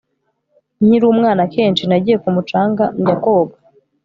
Nkiri umwana akenshi nagiye ku mucanga njya koga